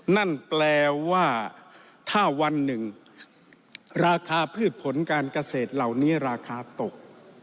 นั่นแปลว่าถ้าวันหนึ่งราคาพืชผลการเกษตรเหล่านี้ราคาตก